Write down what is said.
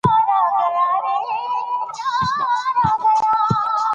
د مې یو ویشتمه د چای نړیواله ورځ بلل کېږي.